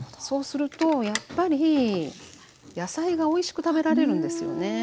そうするとやっぱり野菜がおいしく食べられるんですよね。